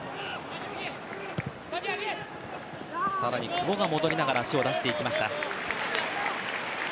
久保が戻りながら足を出していきました。